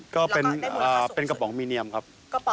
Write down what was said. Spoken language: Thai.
ก็เป็นกระป๋องมีเนียมครับ